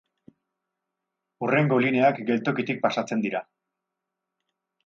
Hurrengo lineak geltokitik pasatzen dira.